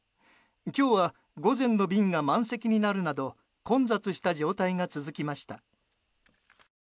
今日は午前の便が満席になるなど混雑した状態が続きました。